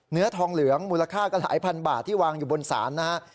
เนื้อทองเหลืองมูลค่าก็หลายพันบาทที่วางอยู่บนศาลนะฮะ